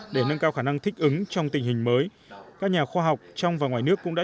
để nâng cao khả năng thích ứng trong tình hình mới các nhà khoa học trong và ngoài nước cũng đã